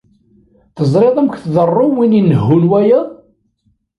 Teẓriḍ amek tḍerru win inehhun wiyaḍ?